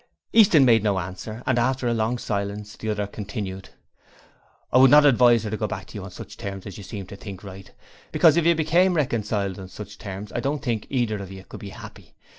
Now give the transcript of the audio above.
Easton made no answer and after a long silence the other continued: 'I would not advise her to go back to you on such terms as you seem to think right, because if you became reconciled on such terms I don't think either of you could be happy.